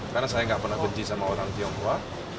karena saya tidak pernah benci sama orang tionghoa